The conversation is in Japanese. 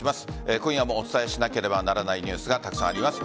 今夜もお伝えしなければならないニュースがたくさんあります。